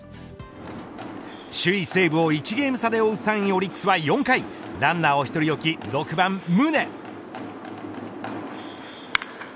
首位、西武を１ゲーム差で追う３位オリックスは４回ランナーを１人を置き６番、宗。